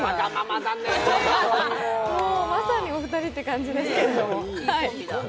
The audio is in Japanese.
まさにお二人という感じですけれども。